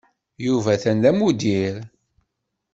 Yuba atan d amuddir.